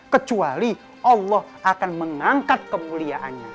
kecuali allah akan mengangkat kepuliaannya